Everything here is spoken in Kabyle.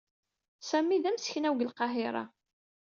Sami d amseknaw deg Lqahiṛa.